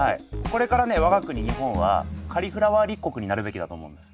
これからね我が国日本はカリフラワー立国になるべきだと思うんだ。